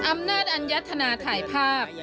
อำนาจอัญญธนาถ่ายภาพ